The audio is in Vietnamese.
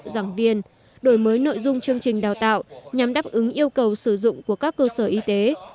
giảng viên đổi mới nội dung chương trình đào tạo nhằm đáp ứng yêu cầu sử dụng của các cơ sở y tế